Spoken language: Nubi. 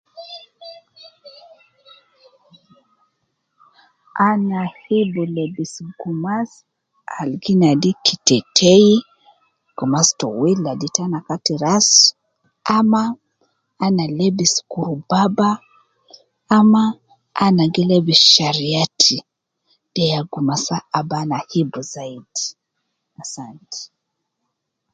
Ana hibu lebis Gumas Al gi nadi kiteteyi Gumas towili gi ladi te Kati ras, ana hibu lebis kurbaba ama ana gi hibu lebis shariati. De ya Gumas Al ana gi hibu